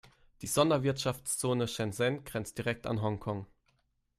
Die Sonderwirtschaftszone Shenzhen grenzt direkt an Hongkong.